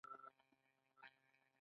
هغه توکي په خپله بیه نه پلوري